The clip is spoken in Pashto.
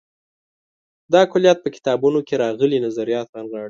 دا کُلیت په کتابونو کې راغلي نظریات رانغاړي.